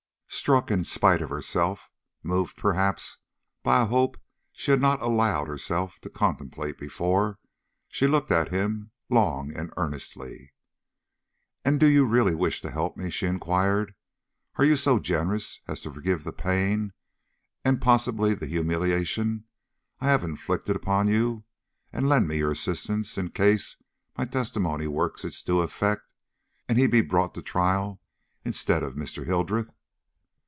Struck in spite of herself, moved perhaps by a hope she had not allowed herself to contemplate before, she looked at him long and earnestly. "And do you really wish to help me?" she inquired. "Are you so generous as to forgive the pain, and possibly the humiliation, I have inflicted upon you, and lend me your assistance in case my testimony works its due effect, and he be brought to trial instead of Mr. Hildreth?"